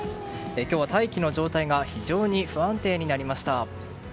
今日は大気の状態が非常に不安定になりました。